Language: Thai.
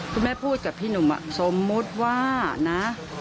พูดกับพี่หนุ่มสมมุติว่านะ